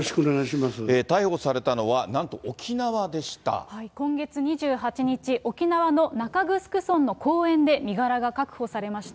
逮捕されたのは、なんと沖縄今月２８日、沖縄の中城村の公園で身柄が確保されました。